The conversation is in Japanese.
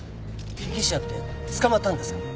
被疑者って捕まったんですか？